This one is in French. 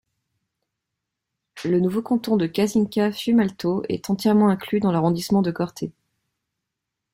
Le nouveau canton de Casinca-Fiumalto est entièrement inclus dans l'arrondissement de Corte.